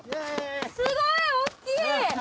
すごいおっきい。